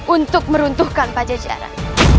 untuk meruntuhkan pajacaran